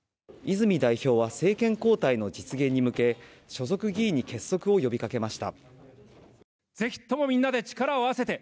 泉代表は政権交代の実現に向け所属議員に結束を呼びかけました。